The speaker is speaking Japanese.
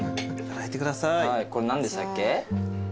これ何でしたっけ？